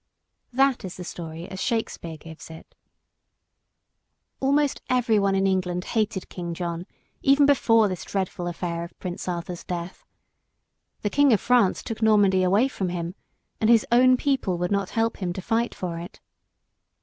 That is the story as Shakespeare gives it. Almost everyone in England hated King John, even before this dreadful affair of Prince Arthur's death. The King of France took Normandy away from him, and his own people would not help him to fight for it.